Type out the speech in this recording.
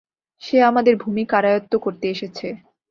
সে আমাদের ভূমি করায়ত্ত করতে এসেছে।